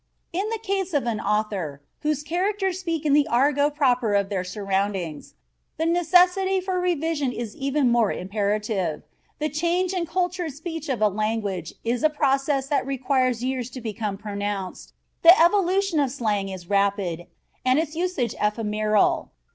In the case of an author whose characters speak in the argot proper to their surroundings, the necessity for revision is even more imperative; the change in the cultured speech of a language is a process that requires years to become pronounced, the evolution of slang is rapid and its usage ephemeral.